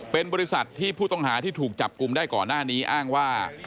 เป็นบริษัทที่ผู้ต้องหาที่ถูกจับกลุ่มได้ก่อนหน้านี้อ้างว่า